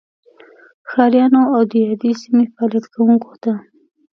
ښاریانو او دیادې سیمې فعالیت کوونکو ته